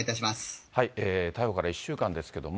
逮捕から１週間ですけれども。